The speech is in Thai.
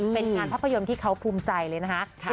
เป็นงานภาพยนตร์ที่เขาภูมิใจเลยนะคะ